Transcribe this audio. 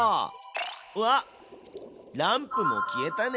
うわっランプも消えたね！